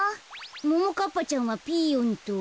ももかっぱちゃんはピーヨンと。